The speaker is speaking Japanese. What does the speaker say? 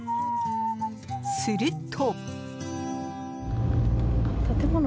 すると。